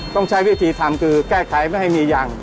ต้องใช้วิธีทำคือแก้ไขไม่ให้มียาง